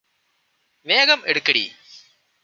വേഗം എടുക്കെടി